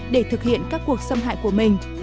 để thực hiện các cuộc xâm hại của mình